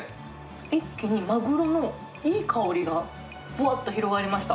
一気にマグロのいい香りがぶわーっと広がりました。